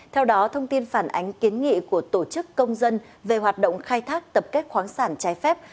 theo đó thông tin phản ánh kiến nghị của tổ chức công dân về hoạt động khai thác tập kết khoáng sản trái phép